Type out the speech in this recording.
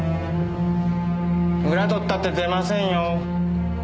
裏取ったって出ませんよ。